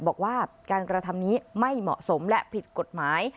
บอกว่าการกระทำนี้ไม่เหมาะสมและผิดกฎหมาย